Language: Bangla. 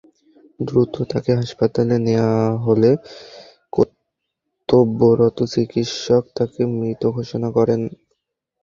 দ্রুত তাকে হাসপাতালে নেওয়া হলে কর্তব্যরত চিকিৎসক তাকে মৃত ঘোষণা করেন।